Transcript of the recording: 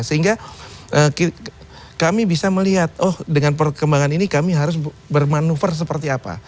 sehingga kami bisa melihat oh dengan perkembangan ini kami harus bermanuver seperti apa